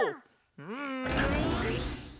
うん！